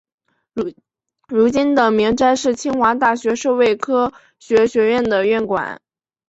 如今的明斋是清华大学社会科学学院的院馆。